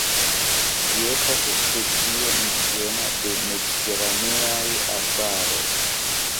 Ĝi estas specio indiĝena de mediteraneaj arbaroj.